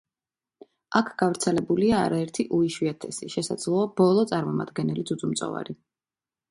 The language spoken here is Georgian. აქ გავრცელებულია არაერთი უიშვიათესი, შესაძლოა ბოლო წარმომადგენელი ძუძუმწოვარი.